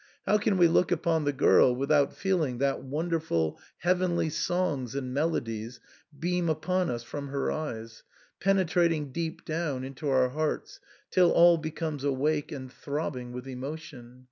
How can we look upon the girl without feeling that wonderful heavenly songs and melodies beam upon us from her eyes, penetrating deep down into our hearts, till all becomes awake and throbbing with emotion